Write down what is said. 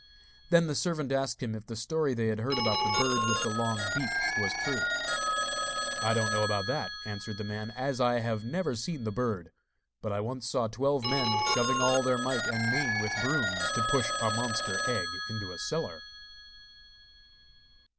Then the servant asked him if the story they had heard about the bird with the long beak was true. 'I don't know about that,' answered the man, 'as I have never seen the bird; but I once saw twelve men shoving all their might and main with brooms to push a monster egg into a cellar.